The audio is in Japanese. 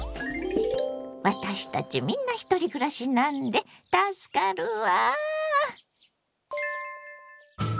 私たちみんなひとり暮らしなんで助かるわ。